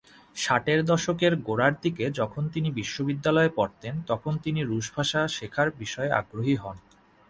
ষাটের দশকের গোড়ার দিকে যখন তিনি বিশ্ববিদ্যালয়ে পড়তেন তখন তিনি রুশ ভাষা শেখার বিষয়ে আগ্রহী হন।